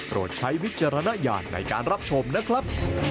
ใช้วิจารณญาณในการรับชมนะครับ